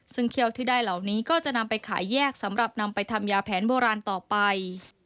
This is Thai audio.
ซึ่งเขี้ยวที่ได้เหล่านี้ก็จะนำไปขายแยกสำหรับนำไปทำยาแผนโบราณต่อไป